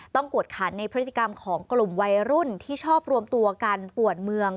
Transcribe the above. กวดขันในพฤติกรรมของกลุ่มวัยรุ่นที่ชอบรวมตัวกันปวดเมือง